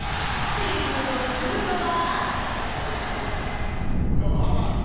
チームのムードは？